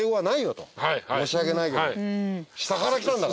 申し訳ないけど。